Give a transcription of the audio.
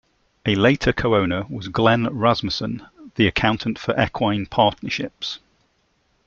A later co-owner was Glenn Rasmussen, the accountant for the equine partnerships.